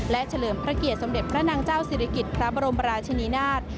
และเฉลิมพระเกียรติสมเด็จพระนางเจ้าศิริกิจพระบรมราชนีนาฏ